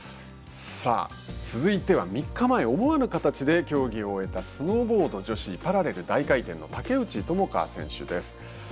続いては３日前、思わぬ形で競技を終えたスノーボード女子パラレル大回転の竹内智香選手です。